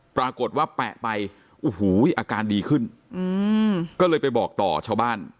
ปรากฏว่าแปะไปโอ้โหอาการดีขึ้นก็เลยไปบอกต่อชาวบ้าน